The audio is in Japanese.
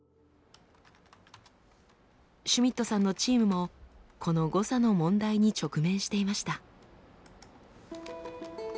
シュミットさんのチームもこの誤差の問題に直面していました。